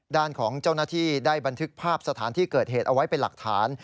ด้านของเจ้าหน้าที่ได้บันทึกภาพสถานที่เกิดเหตุเอาไว้เป็นหลักฐาน